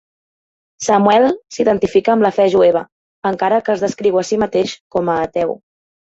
Samuel s'identifica amb la fe jueva, encara que es descriu a si mateix com a ateu.